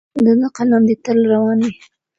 د ده قلم دې تل روان وي.